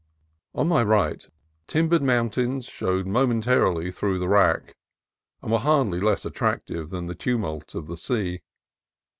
On my right, timbered mountains showed mo mentarily through the wrack, and were hardly less attractive than the tumult of the sea.